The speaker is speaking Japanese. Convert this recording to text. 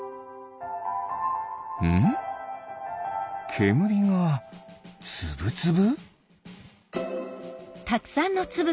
けむりがつぶつぶ？